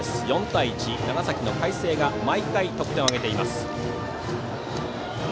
４対１で長崎の海星が毎回、得点を挙げています。